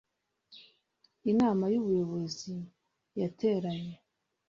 inama y ubuyobozi yateranye